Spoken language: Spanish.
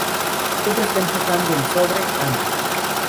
Siempre está empujando el sobre, Andy.